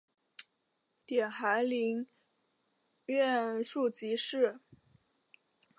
点翰林院庶吉士。